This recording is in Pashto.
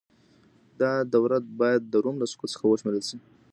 دا دوره بايد د روم له سقوط څخه وشمېرل سي.